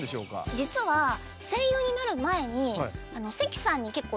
実は声優になる前に。